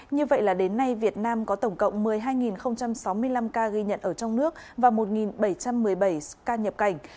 như vậy là đến nay việt nam có tổng cộng một mươi hai sáu mươi năm ca ghi nhận ở trong nước và một bảy trăm một mươi bảy ca nhập cảnh